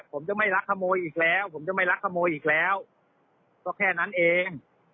ผมจะไม่รักขโมยอีกแล้วผมจะไม่รักขโมยอีกแล้วก็แค่นั้นเอง